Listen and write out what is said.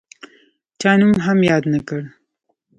چا نوم هم یاد نه کړ.